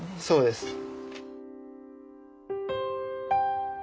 そうです。